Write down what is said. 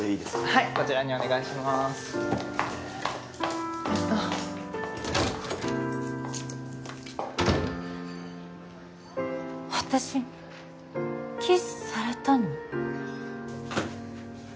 はいこちらにお願いしまーすええっと私キスされたの？